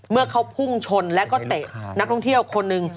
เมื่อเขาพุ่งชนแล้วก็เตะนักท่องเที่ยวคนหนึ่ง